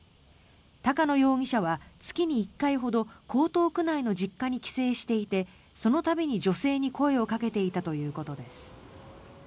高野容疑者は月に１回ほど江東区内の実家に帰省していてその度に、女性に声をかけていたということです。